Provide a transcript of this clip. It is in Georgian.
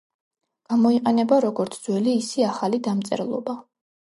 გამოიყენება როგორც ძველი, ისე ახალი დამწერლობა.